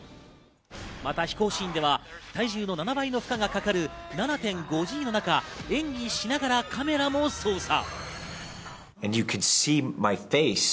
また飛行シーンでは体重の７倍の負荷がかかる７．５Ｇの中、演技しながらカメラも操作。